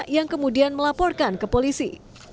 yang kemudian melaporkan ke polisi